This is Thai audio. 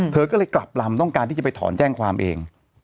เธอก็เลยกลับลำต้องการที่จะไปถอนแจ้งความเอง